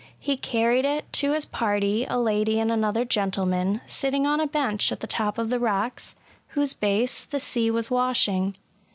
He carried it to his party, a lady and another gentleman, sitting on a bench at the top of the rocks, whose base the sea was washing.